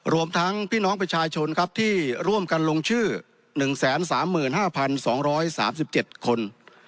รวมทั้งพี่น้องประชาชนครับที่ร่วมกันลงชื่อ๑๓๕๒๓๗คน